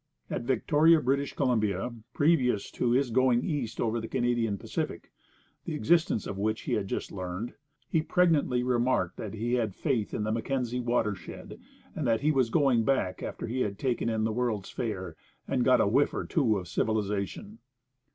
At Victoria, British Columbia, previous to his going east over the Canadian Pacific (the existence of which he had just learned), he pregnantly remarked that he had faith in the Mackenzie watershed, and that he was going back after he had taken in the World's Fair and got a whiff or two of civilization.